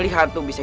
siapa saja itu saya